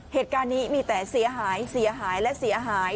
เหตุการณ์นี้มีแต่เสียหายเสียหายและเสียหาย